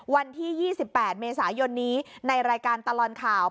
วันที่๒๘เมษายนนี้ในรายการตลอดข่าว